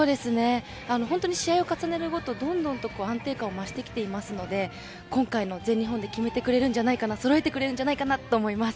本当に試合を重ねるごとに、どんどん安定感を増してきていますので今回の全日本で決めてくれるんじゃないかそろえてくれるんじゃないかと思います。